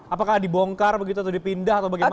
apakah dibongkar begitu atau dipindah atau bagaimana